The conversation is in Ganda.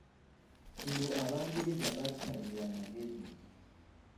Kino Abangereza baakisalira amagezi.